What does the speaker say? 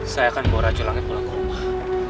saya akan bawa rajulangnya pulang ke rumah